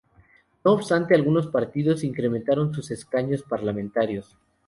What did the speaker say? No obstante, algunos partidos incrementaron sus escaños parlamentarios.